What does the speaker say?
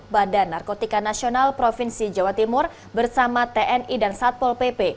badan narkotika nasional provinsi jawa timur bersama tni dan satpol pp